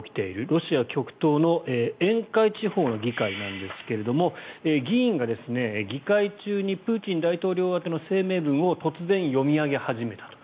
ロシア極東の沿海地方の議会なんですが議員が議会中にプーチン大統領宛ての声明文を突然、読み上げ始めたと。